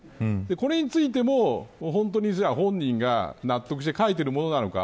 これについても本当に本人が納得して書いているものなのか。